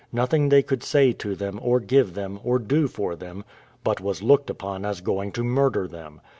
Nothing they could say to them, or give them, or do for them, but was looked upon as going to murder them.